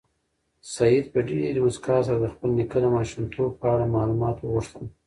سعید په ډېرې موسکا سره د خپل نیکه د ماشومتوب په اړه معلومات وغوښتل.